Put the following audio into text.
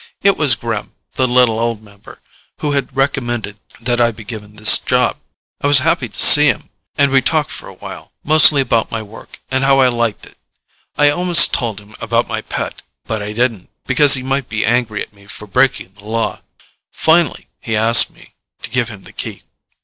It was Gremm, the little old member, who had recommended that I be given this job. I was happy to see him, and we talked for a while, mostly about my work, and how I liked it. I almost told him about my pet, but I didn't, because he might be angry at me for breaking the Law. Finally, he asked me to give him the Key.